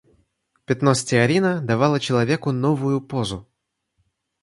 Пятно стеарина давало человеку новую позу.